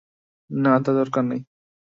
না, তার দরকার নেই।